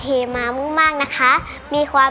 คุณแม่รู้สึกยังไงในตัวของกุ้งอิงบ้าง